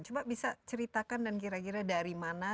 coba bisa ceritakan dan kira kira dari mana